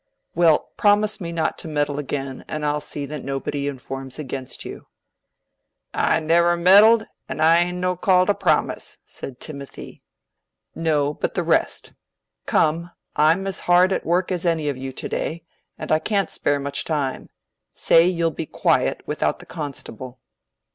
"Well, promise me not to meddle again, and I'll see that nobody informs against you." "I'n ne'er meddled, an' I'n no call to promise," said Timothy. "No, but the rest. Come, I'm as hard at work as any of you to day, and I can't spare much time. Say you'll be quiet without the constable."